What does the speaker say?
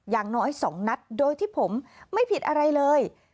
อย่างน้อย๒นัดโดยที่ผมไม่ผิดอะไรเลย